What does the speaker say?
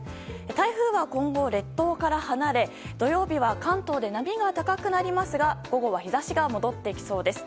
台風は今後、列島から離れ土曜日は関東で波が高くなりますが午後は日差しが戻ってきそうです。